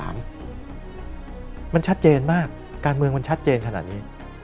มันชัดเจนมากการเมืองมันชัดเจนขนาดนี้